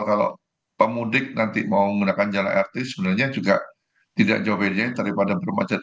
kalau pemudik nanti mau menggunakan jalan artis sebenarnya juga tidak jauh beda daripada bermacet